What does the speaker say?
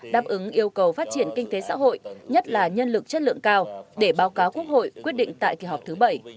đáp ứng yêu cầu phát triển kinh tế xã hội nhất là nhân lực chất lượng cao để báo cáo quốc hội quyết định tại kỳ họp thứ bảy